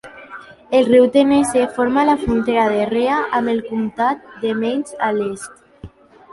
El riu Tennessee forma la frontera de Rhea amb el comtat de Meigs a l'est.